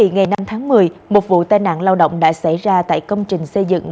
ngày năm tháng một mươi một vụ tai nạn lao động đã xảy ra tại công trình xây dựng